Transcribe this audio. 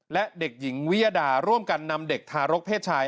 และเด็กหญิงวิยดาร่วมกันนำเด็กทารกเพศชาย